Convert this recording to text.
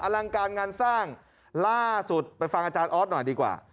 ลังการงานสร้างล่าสุดไปฟังอาจารย์ออสหน่อยดีกว่า